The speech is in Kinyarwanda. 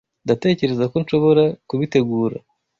Ndatekereza ko nshobora kubitegura